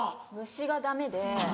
虫がダメで。